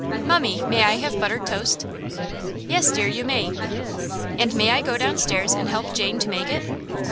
"Mummie, may I have buttered toast?" "Yes, dear, you may." "And may I go downstairs and help Jane to make it?"